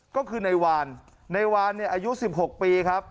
ก็คือในวานในวานเนี่ยอายุ๑๖ปีครับ